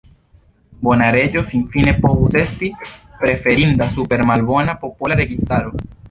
Bona reĝo finfine povus esti preferinda super malbona popola registaro.